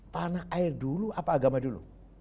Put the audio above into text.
tanah air dulu apa agama dulu